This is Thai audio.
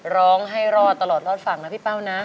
ร้องให้รอดตลอดรอดฝั่งนะพี่เป้านะ